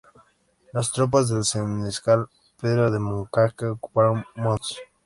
Las tropas del senescal Pedro de Montcada ocuparon Ponts.